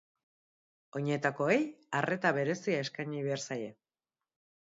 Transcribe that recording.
Oinetakoei arreta berezia eskaini behar zaie.